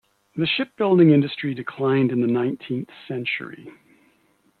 The shipbuilding industry declined in the nineteenth century.